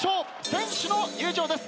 選手の入場です。